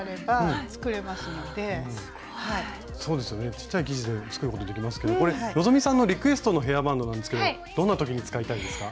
ちっちゃい生地で作ることできますけどこれ希さんのリクエストのヘアバンドなんですけどどんなときに使いたいですか？